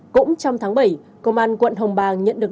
cũng trong tháng bảy công an quận hồng bàng nhận được